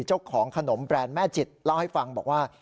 เจ้าของขนมแบรนด์แม่จิตเล่าให้ฟังบอกว่า